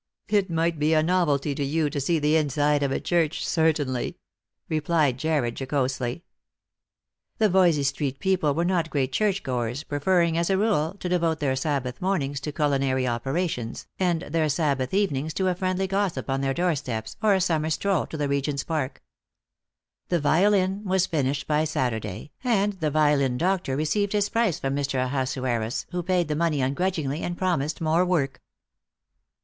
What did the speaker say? " It might be a novelty to you to see the inside of a church, certainly," replied Jarred jocosely. The Voysey street people were not great church goers, pre ferring, as a rule, to devote their Sabbath mornings to culinary operations, and their Sabbath evenings to a friendly gossip on their door steps, or a summer stroll to the Eegent's Park. The violin was finished by Saturday, and the violin doctor received his price from Mr. Ahasuerus, who paid the money ungrudgingly and promised more work.